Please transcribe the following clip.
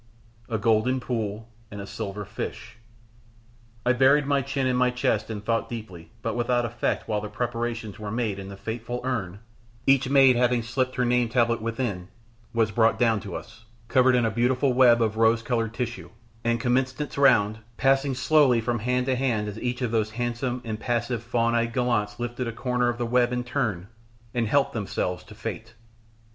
"A golden pool, and a silver fish " I buried my chin in my chest and thought deeply but without effect while the preparations were made and the fateful urn, each maid having slipped her name tablet within, was brought down to us, covered in a beautiful web of rose coloured tissue, and commenced its round, passing slowly from hand to hand as each of those handsome, impassive, fawn eyed gallants lifted a corner of the web in turn and helped themselves to fate.